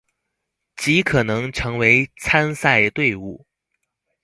極可能成為參賽隊伍